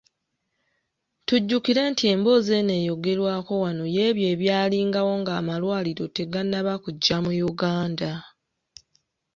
Tujjukire nti emboozi eno eyogerwako wano y’ebyo ebyalingawo ng’amalwaliro tegannaba kujja mu Uganda.